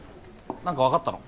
何かわかったの？